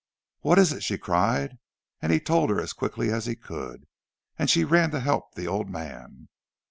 "What is it?" she cried. And he told her, as quickly as he could, and she ran to help the old man.